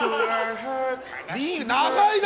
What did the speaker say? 長いな！